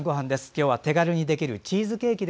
今日は手軽にできるチーズケーキ。